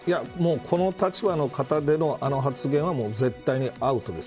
この立場の方でのあの発言は絶対にアウトです。